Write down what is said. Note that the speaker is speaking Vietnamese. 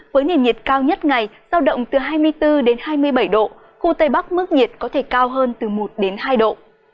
với nền nhiệt cao nhất ngày giao động từ hai mươi bốn đến hai mươi bảy độ khu tây bắc mức nhiệt có thể cao hơn từ một hai độ